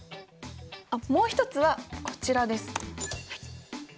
もう一つはこちらです。